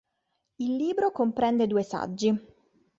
Il libro comprende due saggi.